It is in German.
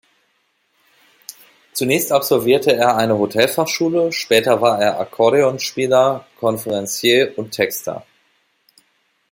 Zunächst absolvierte er eine Hotelfachschule, später war er Akkordeonspieler, Conferencier und Texter.